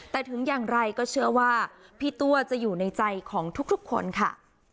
แต่ถึงอย่างไรก็เชื่อว่าพี่ตัวจะอยู่ในใจของทุกคนค่ะ